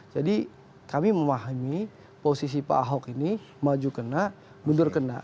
jadi kami memahami posisi pak ahok ini maju kena mundur kena